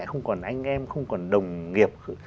không còn anh em không còn đồng nghiệp